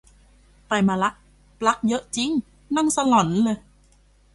ไปมาละ ปลั๊กเยอะจริง นั่งสลอนเลย